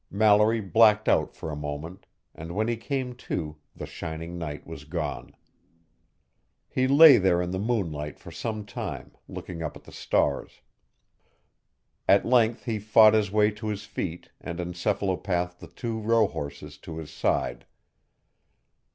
Mallory blacked out for a moment, and when he came to, the shining knight was gone. He lay there in the moonlight for some time, looking up at the stars. At length he fought his way to his feet and encephalopathed the two rohorses to his side.